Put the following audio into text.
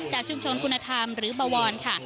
ชุมชนคุณธรรมหรือบวรค่ะ